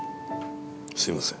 すいません。